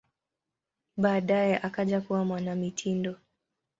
Baadaye akaja kuwa mwanamitindo.